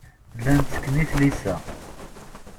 Llan ttekken i tlisa.